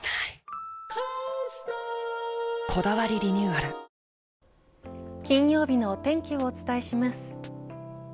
あ金曜日のお天気をお伝えします。